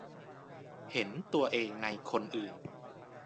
เห็นตัวเองในคนอื่น